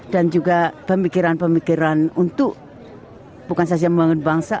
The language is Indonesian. juga pemikiran pemikiran untuk bukan saja membangun bangsa